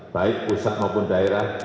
baik pusat maupun daerah